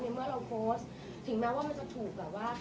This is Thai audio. เมื่อเราโพสต์ถึงแม้ว่ามันจะถูกแบบว่า